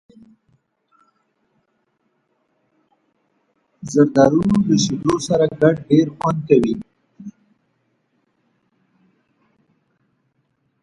زردالو له شیدو سره ګډ ډېر خوند کوي.